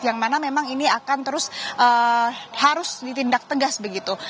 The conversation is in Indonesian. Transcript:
yang mana memang ini akan terus harus ditindak tegas begitu